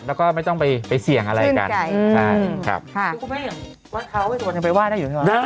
แล้วก็ไม่ต้องไปเสี่ยงอะไรกันชื่นไก่คุณพระเองว่าทาวเวสวรไปว่ายได้อยู่หรือเปล่า